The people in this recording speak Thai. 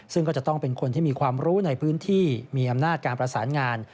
ซึ่งก็จะต้องเป็นคนที่มีความรู้ในพื้นที่มีอำนาจการประสานงาน